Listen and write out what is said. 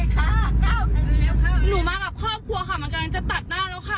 ใช่ค่ะไม่ได้ค่ะมันไม่ใส่ป้ายทะเบียนค่ะ